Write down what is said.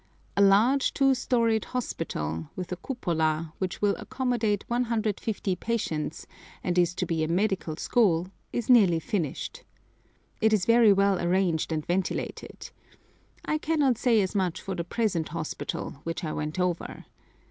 A large two storied hospital, with a cupola, which will accommodate 150 patients, and is to be a medical school, is nearly finished. It is very well arranged and ventilated. I cannot say as much for the present hospital, which I went over.